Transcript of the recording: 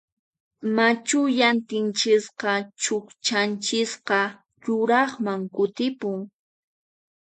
Machuyaqtinchisqa chuqchanchisqa yuraqman tukupun.